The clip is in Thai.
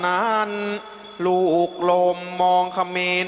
มาเยือนทินกระวีและสวัสดี